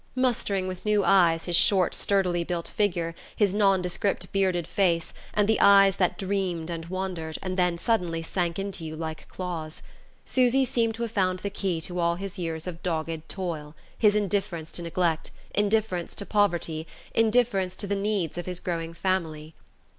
Mustering with new eyes his short sturdily built figure, his nondescript bearded face, and the eyes that dreamed and wandered, and then suddenly sank into you like claws, Susy seemed to have found the key to all his years of dogged toil, his indifference to neglect, indifference to poverty, indifference to the needs of his growing family....